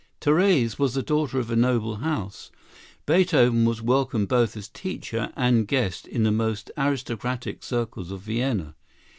Therese was the daughter of a noble house. Beethoven was welcome both as teacher and guest in the most aristocratic circles of Vienna.